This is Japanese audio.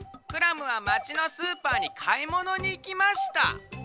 クラムはまちのスーパーにかいものにいきました。